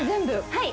はい。